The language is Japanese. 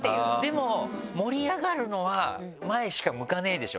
でも盛り上がるのは『前しか向かねえ』でしょ？